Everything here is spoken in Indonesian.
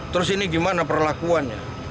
terus ini gimana perlakuannya